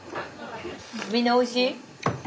みんなおいしい？